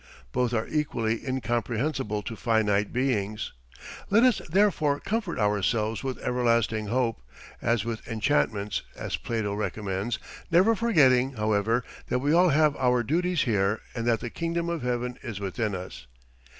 Both are equally incomprehensible to finite beings. Let us therefore comfort ourselves with everlasting hope, "as with enchantments," as Plato recommends, never forgetting, however, that we all have our duties here and that the kingdom of heaven is within us.